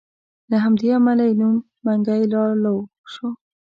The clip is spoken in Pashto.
له همدې امله یې نوم منګی لالو شو.